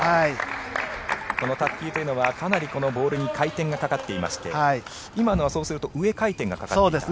この卓球というのはボールにかなり回転がかかっていまして今のは、そうすると上回転がかかっていた。